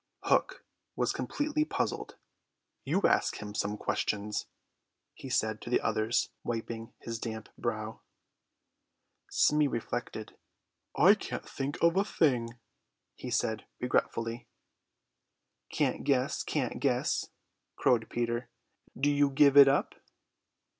Hook was completely puzzled. "You ask him some questions," he said to the others, wiping his damp brow. Smee reflected. "I can't think of a thing," he said regretfully. "Can't guess, can't guess!" crowed Peter. "Do you give it up?"